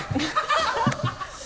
ハハハ